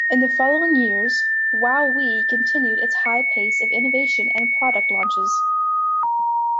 In the following years, WowWee continued its high pace of innovation and product launches.